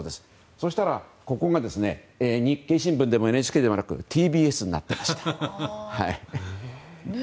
そうしたら、ここが日経新聞でもＮＨＫでもなくＴＢＳになっていました。